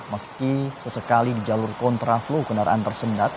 meski sesekali di jalur kontra flu kendaraan tersendat